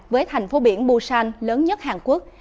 với thành phố biển busan lớn nhất hàn quốc